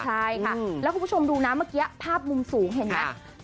ใช่ค่ะแล้วคุณผู้ชมดูนะเมื่อกี้ภาพมุมสูงเห็นไหม